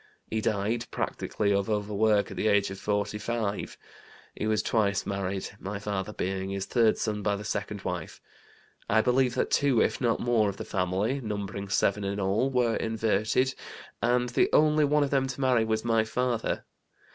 He died, practically of overwork, at the age of 45. He was twice married, my father being his third son by the second wife. I believe that two, if not more, of the family (numbering seven in all) were inverted, and the only one of them to marry was my father.